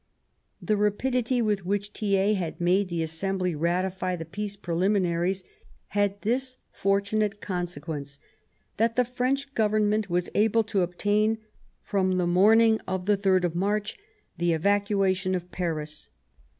The rapidity with which Thiers had made the Assembly ratify the Peace Preliminaries had this for tunate consequence, that the French to^Beriin™ Government was able to obtain, from the morning of the 3rd of March, the evacua tion of Paris.